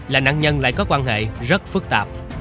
là nạn nhân lại có quan hệ rất phức tạp